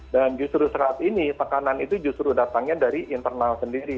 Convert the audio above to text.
dan justru saat ini tekanan itu justru datangnya dari internal sendiri